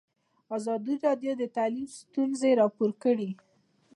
ازادي راډیو د تعلیم ستونزې راپور کړي.